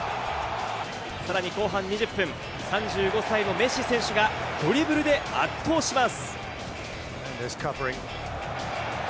さらに後半２０分、３５歳のメッシ選手がドリブルで圧倒します。